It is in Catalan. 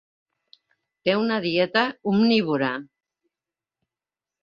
Té una dieta omnívora.